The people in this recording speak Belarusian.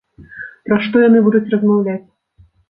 Пра што яны будуць размаўляць?